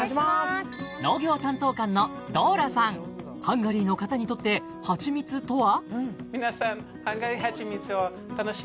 ハンガリーの方にとって蜂蜜とは？